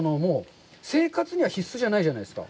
生活には必須じゃないじゃないですか。